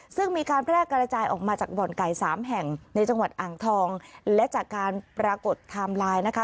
ซึ่งมีการแพร่กระจายออกมาจากบ่อนไก่สามแห่งในจังหวัดอ่างทองและจากการปรากฏไทม์ไลน์นะคะ